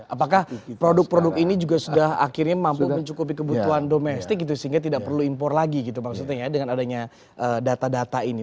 apakah produk produk ini juga sudah akhirnya mampu mencukupi kebutuhan domestik gitu sehingga tidak perlu impor lagi gitu maksudnya ya dengan adanya data data ini